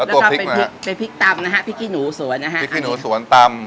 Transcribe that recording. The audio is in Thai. แล้วก็เป็นพริกเป็นพริกตำนะฮะพริกขี้หนูสวนนะฮะพริกขี้หนูสวนตำ